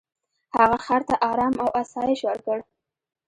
هغه خر ته ارام او آسایش ورکړ.